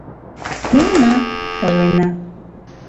— Муына, — ойлена.